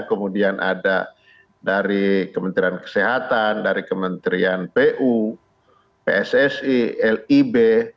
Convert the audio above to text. kemudian ada dari kementerian kesehatan dari kementerian pu pssi lib